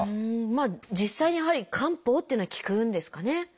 実際にやはり漢方っていうのは効くんですかね。